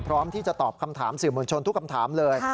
พร้อมที่จะตอบคำถามสื่อมวลชนทุกคำถามเลย